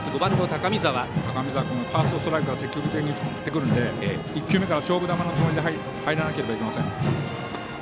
高見澤君ファーストストライクから積極的に振ってくるので１球目から勝負球のつもりで入らなければいけません。